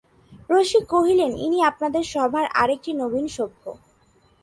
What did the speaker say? রসিক কহিলেন, ইনি আপনাদের সভার আর একটি নবীন সভ্য।